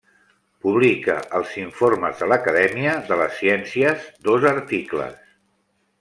Publica als Informes de l'Acadèmia de les ciències dos articles.